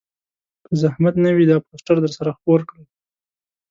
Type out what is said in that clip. که زحمت نه وي دا پوسټر درسره خپور کړئ